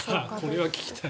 これは聞きたい。